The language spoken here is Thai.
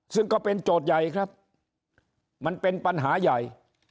ซึ่งก็เป็นโจทย์ใหญ่ครับมันเป็นปัญหาใหญ่